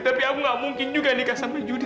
tapi aku gak mungkin juga nikah sampai judi